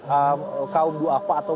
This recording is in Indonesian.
dan yang diperlukan oleh masyarakat